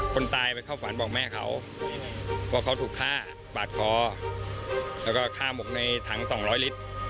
คนตายไปเข้าฝันบอกแม่เขาว่าเขาถูกฆ่าปาดคอแล้วก็ฆ่าหมกในถัง๒๐๐ลิตร